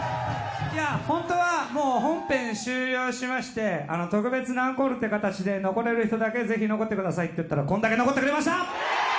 本当はもう本編終了しまして、特別なアンコールっていう形でぜひ残ってくださいって言ったらこんだけ残ってくれました。